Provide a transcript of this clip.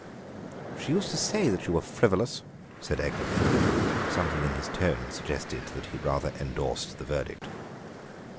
"She used to say you were frivolous," said Egbert. Something in his tone suggested that he rather endorsed the verdict.